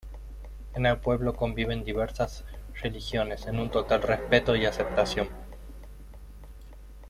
En el pueblo conviven diversas religiones en un total respeto y aceptación.